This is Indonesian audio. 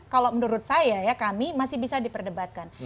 kalau menurut saya ya kami masih bisa diperdebatkan